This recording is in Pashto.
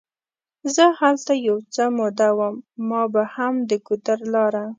زه هلته یو څه موده وم، ما به هم د ګودر لاره.